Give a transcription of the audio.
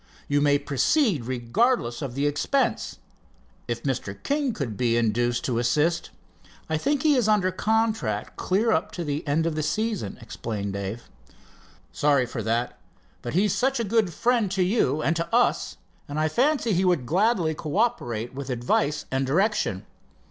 You may proceed regardless of the expense. If Mr. King could be induced to assist " "I think he is under contract clear up to the end of the season," explained Dave. "Sorry for that, but he is such a good friend to you and to us, and I fancy he would gladly cooperate with advice and direction."